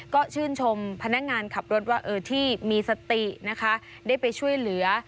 ก็ชื่นชมพนักงานขับรถว่าที่มีสตินะคะได้ไปช่วยเหลือ